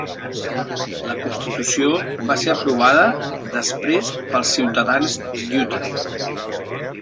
La constitució va ser aprovada després pels ciutadans d'Utah.